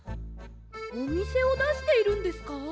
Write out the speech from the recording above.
おみせをだしているんですか？